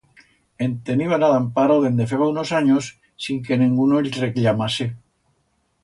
El teniban a l'Amparo dende feba unos anyos sin que nenguno el recllamase.